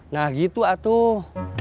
nah gitu atuh